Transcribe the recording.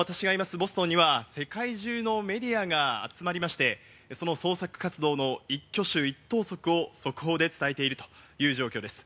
ボストンには世界中のメディアが集まりまして、その捜索活動の一挙手一投足を速報で伝えているという状況です。